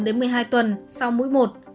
đến một mươi hai tuần sau mũi một